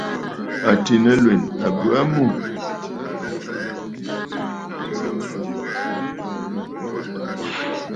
Àtì nɨlwèn a bə aa mû.